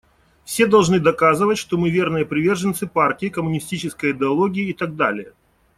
Все должны доказывать, что мы верные приверженцы партии, коммунистической идеологии и так далее.